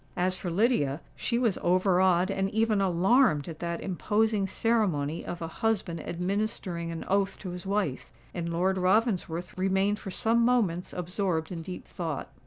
As for Lydia—she was overawed and even alarmed at that imposing ceremony of a husband administering an oath to his wife; and Lord Ravensworth remained for some moments absorbed in deep thought.